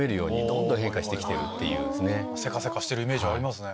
せかせかしてるイメージはありますね。